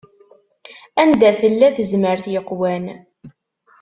Anda tella tezmert yeqwan.